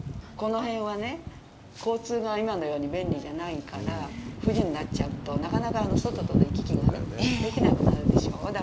この辺はね、交通が今のように便利じゃないから冬になっちゃうとなかなか外との行き来ができなくなるでしょう。